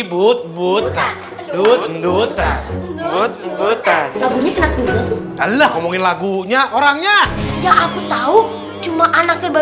lagunya kenapa alah ngomongin lagunya orangnya yang aku tahu cuma anaknya